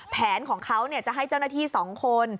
แผนของเขาจะให้เจ้าหน้าที่๒คน